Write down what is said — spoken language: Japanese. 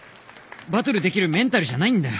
バトルできるメンタルじゃないんだよ